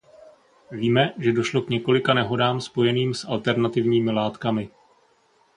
Víme, že došlo k několika nehodám spojeným s alternativními látkami.